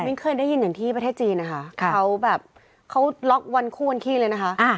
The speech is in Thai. เคยได้ยินอย่างที่ประเทศจีนนะคะเขาแบบเขาล็อกวันคู่วันขี้เลยนะคะ